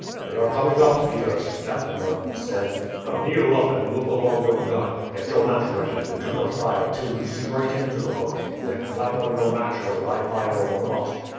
"They are coming up, Peters," Captain Martin said. "Now kneel up and look along your gun; get your match ready, and do not fire till you see right into the boat, then clap on your match whether I fire or not."